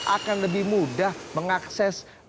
akan lebih mudah mengakses